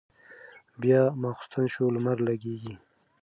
بيا ماخستن شو لمر لګېږي